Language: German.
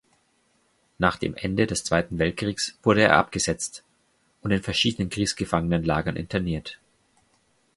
Nach dem Ende des Zweiten Weltkriegs wurde er abgesetzt und in verschiedenen Kriegsgefangenenlagern interniert.